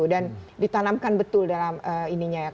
dan ditanamkan betul dalam ininya ya